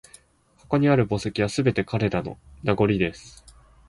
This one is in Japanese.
ここにある墓石は、すべて彼らの…名残です